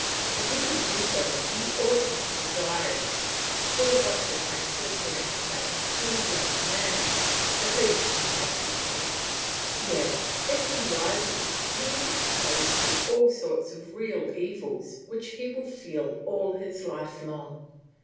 If he could do so he ought not desire it; for what difference does rank make to a young man, at least to my pupil? Yet, if he rises he is exposed to all sorts of real evils which he will feel all his life long.